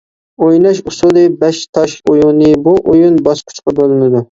ئويناش ئۇسۇلى بەش تاش ئويۇنى بۇ ئويۇن باسقۇچقا بۆلۈنىدۇ.